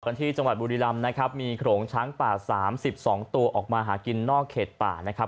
ที่จังหวัดบุรีรำนะครับมีโขลงช้างป่า๓๒ตัวออกมาหากินนอกเขตป่านะครับ